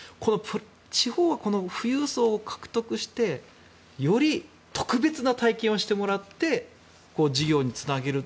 地方は富裕層を獲得してより特別な体験をしてもらって事業につなげる。